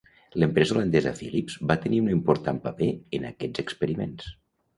L'empresa holandesa Philips va tenir un important paper en aquests experiments.